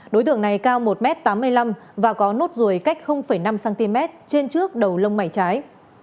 đối tượng này cao một m tám mươi năm và có nốt ruồi cách năm cm trên trước đầu lông mày trái